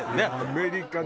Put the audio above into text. アメリカン